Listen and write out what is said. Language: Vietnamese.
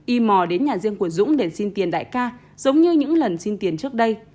y mò đến nhà riêng của dũng để xin tiền đại ca giống như những lần xin tiền trước đây